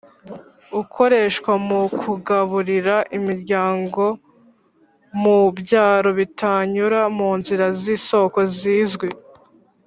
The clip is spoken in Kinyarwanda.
ukoreshwa mu kugaburira imiryango mu byaro bitanyura mu nzira z'isoko zizwi.